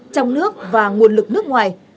trong nước và nguồn lực nước ngoài